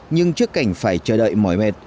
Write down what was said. nhưng trước cảnh phải chờ đợi mỏi mệt